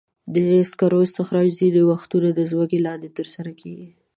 د سکرو استخراج ځینې وختونه د ځمکې لاندې ترسره کېږي.